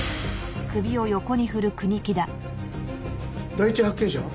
第一発見者は？